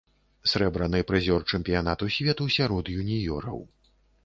Срэбраны прызёр чэмпіянату свету сярод юніёраў.